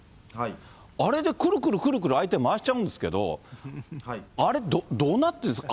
あれでくるくるくるくる相手回しちゃうんですけど、あれ、どうなってるんですか。